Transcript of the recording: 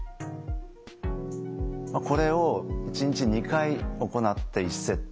これを１日２回行って１セット。